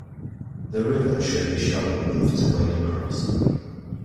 The river should be shallow enough to wade across.